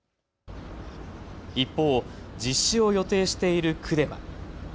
一方、実施を予定している区では。